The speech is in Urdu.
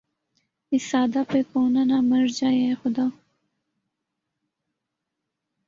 اس سادہ پہ کونہ نہ مر جائے اے خدا